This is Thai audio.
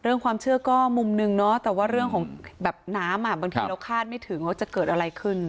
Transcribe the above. เรื่องความเชื่อก็มุมนึงเนาะแต่ว่าเรื่องของแบบน้ำอ่ะบางทีเราคาดไม่ถึงว่าจะเกิดอะไรขึ้น